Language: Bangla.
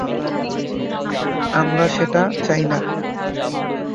আমরা সেটা চাই না।